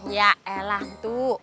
ya elah entu